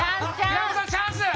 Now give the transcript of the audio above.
平子さんチャンス！